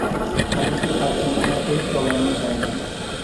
তাহাকে আর কোনোমতেই টলানো যায় না।